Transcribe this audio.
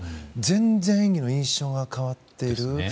全然、演技の印象が変わっている。